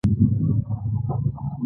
دا په ټاکلي وخت کې شخص ته ورکول کیږي.